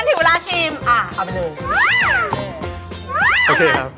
เสร็จแล้วค่ะ